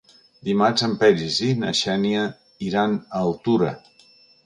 Dimarts en Peris i na Xènia iran a Altura.